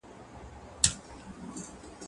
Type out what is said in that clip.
کالي ومينځه؟